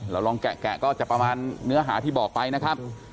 ลองแกะก็จะประมาณเนื้อหาที่บอกไปนะครับ